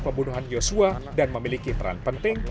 pembunuhan yosua dan memiliki peran penting